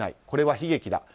これは悲劇だ。